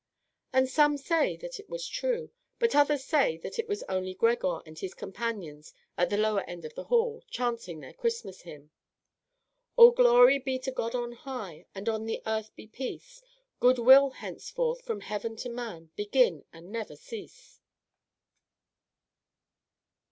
And some say that it was true; but others say that it was only Gregor and his companions at the lower end of the hall, chanting their Christmas hymn: All glory be to God on high, And on the earth be peace! Good will, henceforth, from heaven to man, Begin and never cease.